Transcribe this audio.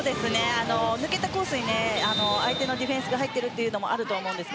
抜けたコースに相手のディフェンスが入っているのもあります。